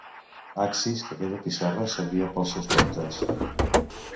Axis que aquella piçarra servia pels seus comptes